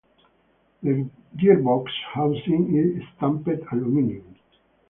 The gearbox housing is stamped aluminum.